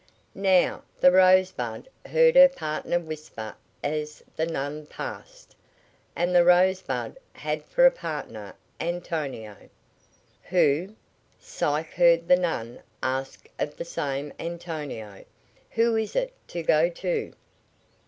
"Now!" the Rosebud heard her partner whisper as the nun passed. And the Rosebud had for a partner Antonio. "Who?" Psyche heard the nun ask of the same Antonio. "Who is it to go to?"